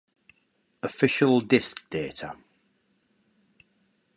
Official disc data.